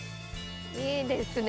いいですね！